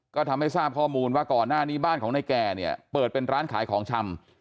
ก็ทำให้ทราบข้อมูลว่าก่อนหน้านี้บ้านของนายแก่เนี่ยเปิดเป็นร้านขายของชำ